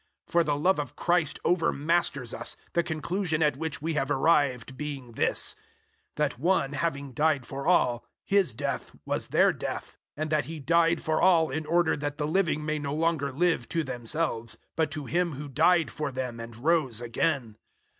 005:014 For the love of Christ overmasters us, the conclusion at which we have arrived being this that One having died for all, His death was their death, 005:015 and that He died for all in order that the living may no longer live to themselves, but to Him who died for them and rose again.